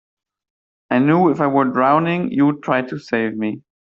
I knew if I were drowning you'd try to save me.